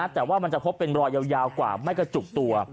แต่ว่ามันจะพบเป็นรอยยาวกว่าไม่กระจุกตัว